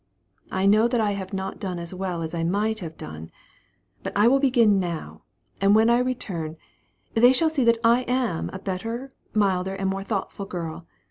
I know that I have not done as well as I might have done; but I will begin now, and when I return, they shall see that I am a better, milder, and more thoughtful girl.